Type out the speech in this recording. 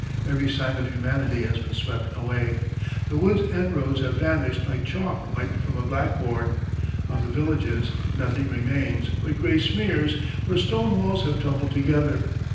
Every sign of humanity has been swept away. The woods and roads have vanished like chalk wiped from a blackboard; of the villages nothing remains but grey smears where stone walls have tumbled together.